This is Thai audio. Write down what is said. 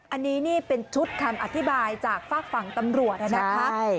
อันนี้นี่เป็นชุดคำอธิบายจากฝากฝั่งตำรวจนะครับ